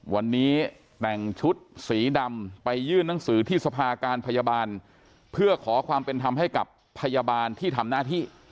วันนี้แต่งชุดสีดำไปยื่นหนังสือที่สภาการพยาบาลเพื่อขอความเป็นธรรมให้กับพยาบาลที่ทำหน้าที่